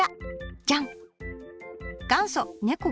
じゃん！